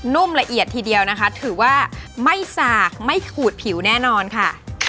นุ่มละเอียดทีเดียวนะคะถือว่าไม่สากไม่ขูดผิวแน่นอนค่ะ